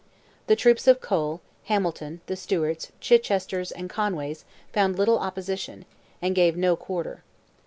The troops of Cole, Hamilton, the Stewarts, Chichesters, and Conways, found little opposition, and gave no quarter.